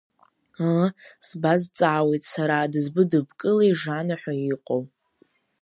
Ыы, сбазҵаауеит сара, дызбыдыбкылеи Жана ҳәа иҟоу?